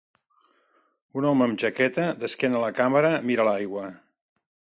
Un home amb jaqueta d'esquena a la càmera mira l'aigua.